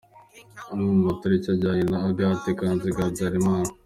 Amwe mu matariki ajyanye na Agathe Kanziga Habyarimana.